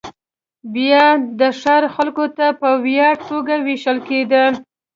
بیا د ښار خلکو ته په وړیا توګه وېشل کېدل